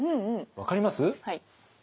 分かります？